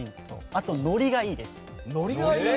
あと、ノリがいいです。